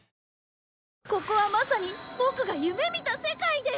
ここはまさにボクが夢見た世界です！